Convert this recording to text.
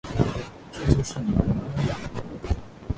这就是你龙哥呀